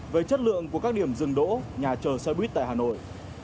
về chất lượng của các điểm dừng đỗ nhà chờ xe buýt tại hà nội